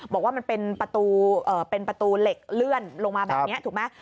บอกว่ามันเป็นประตูเป็นประตูเหล็กเลื่อนลงมาแบบนี้ถูกไหม